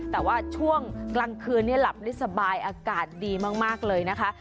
แต่ว่าช่วงกลางคืนนี้หลับได้สบายอากาศดีมากเลยนะคะ